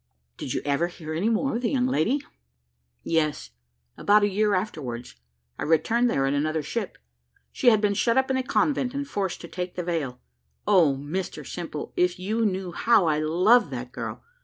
"Did you ever hear any more of the young lady?" "Yes; about a year afterwards, I returned there in another ship. She had been shut up in a convent, and forced to take the veil. Oh, Mr Simple! if you knew how I loved that girl!